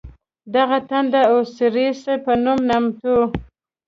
دغه تن د اوسیریس په نوم نامتوو.